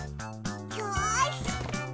よし！